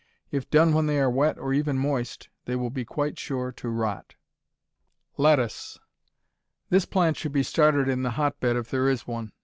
If done when they are wet or even moist, they will be quite sure to rot. Lettuce This plant should be started in the hotbed if there is one.